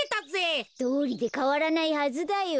どうりでかわらないはずだよ。